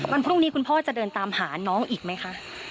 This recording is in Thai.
วันพรุ่งนี้คุณพ่อจะเดินตามหาน้องอีกไหมคะ